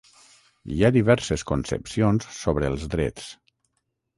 Hi ha diverses concepcions sobre els drets.